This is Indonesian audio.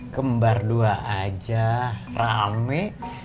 kembar dua aja rame